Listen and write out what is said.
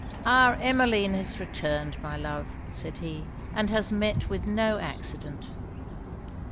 'Our Emmeline is returned, my love,' said he, 'and has met with no accident.'